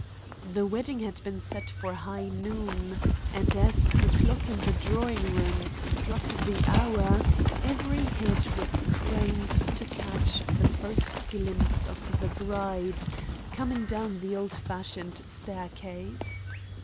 "The wedding had been set for high noon, and as the clock in the drawing room struck the hour every head was craned to catch the first glimpse of the bride coming down the old fashioned staircase.